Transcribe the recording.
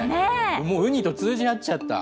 もう、ウニと通じ合っちゃった。